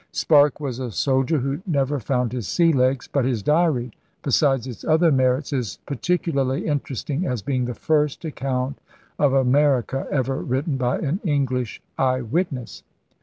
Sparke was a soldier who never found his sea legs. But his diary, besides its other merits, is particularly interesting as being the first account of America ever written by an English eye witness.